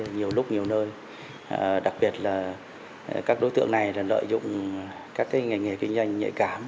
nhiều lúc nhiều nơi đặc biệt là các đối tượng này lợi dụng các nghề kinh doanh nhạy cám